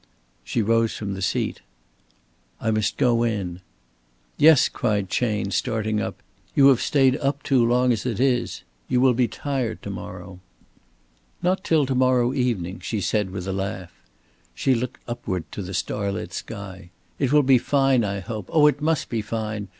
She rose from the seat. "I must go in." "Yes," cried Chayne, starting up. "You have stayed up too long as it is. You will be tired to morrow." "Not till to morrow evening," she said, with a laugh. She looked upward to the starlit sky. "It will be fine, I hope. Oh, it must be fine.